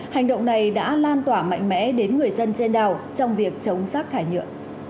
hành động này đã lan tỏa mạnh mẽ đến người dân trên đảo trong việc chống rác thải nhựa